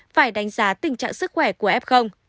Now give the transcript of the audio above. phải đánh giá tình trạng sức khỏe của f